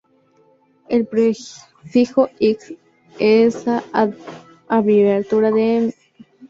El prefijo Ig es la abreviatura de inmunoglobulina.